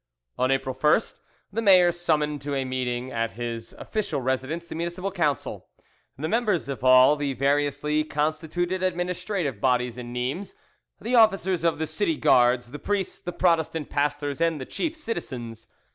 On April 1st the mayor summoned to a meeting at his official residence the municipal council, the members of all the variously constituted administrative bodies in Nimes, the officers of the city guards, the priests, the Protestant pastors, and the chief citizens.